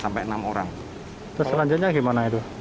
selanjutnya bagaimana itu